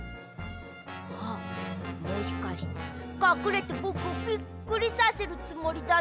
あっもしかしてかくれてぼくをびっくりさせるつもりだな。